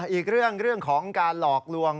อีกเรื่องของการหลอกลวง